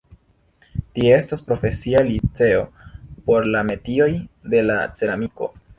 Tie estas profesia liceo por la metioj de la ceramiko.